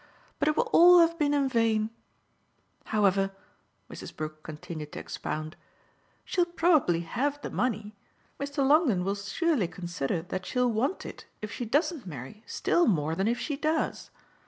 But it will all have been in vain. However," Mrs. Brook continued to expound, "she'll probably have the money. Mr. Longdon will surely consider that she'll want it if she doesn't marry still more than if she does.